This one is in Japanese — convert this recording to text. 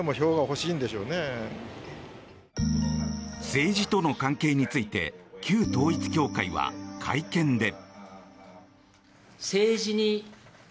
政治との関係について旧統一教会は会見で。